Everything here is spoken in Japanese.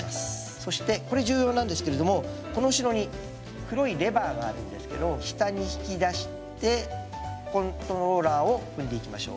そしてこれ重要なんですけれどもこの後ろに黒いレバーがあるんですけど下に引き出してコントローラーを踏んでいきましょう。